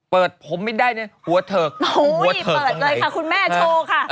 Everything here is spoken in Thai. เปิดผมไม่ได้เนี่ยหัวเถิกหัวเถิกอะไรอุ้ยเปิดเลยค่ะคุณแม่โชคค่ะ